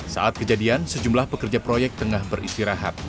saat kejadian sejumlah pekerja proyek tengah beristirahat